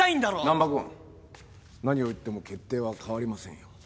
難破君何を言っても決定は変わりませんよ。